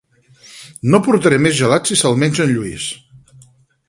No portaré més gelat si se'l menja en Lluís